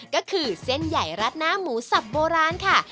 ก็คือเส้นใหญ่รัดหน้าหมูสับโบราณค่ะ